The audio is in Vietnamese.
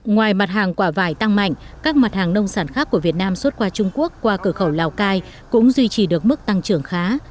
ngoài mặt hàng quả vải tăng mạnh các mặt hàng nông sản khác của việt nam xuất qua trung quốc qua cửa khẩu lào cai cũng duy trì được mức tăng trưởng khá